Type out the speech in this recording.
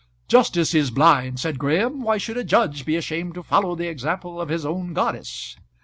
"Justice is blind," said Graham. "Why should a judge be ashamed to follow the example of his own goddess?"